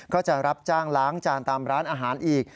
ก็จะรับจ้างล้างจานตามร้านอาหารอีก